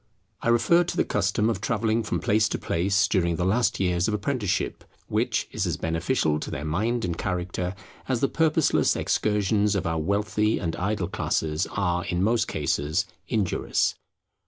I refer to the custom of travelling from place to place during the last years of apprenticeship; which is as beneficial to their mind and character, as the purposeless excursions of our wealthy and idle classes are in most cases injurious.